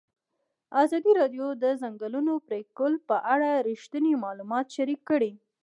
ازادي راډیو د د ځنګلونو پرېکول په اړه رښتیني معلومات شریک کړي.